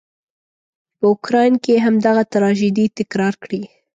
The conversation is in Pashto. په اوکراین کې همدغه تراژيدي تکرار کړي.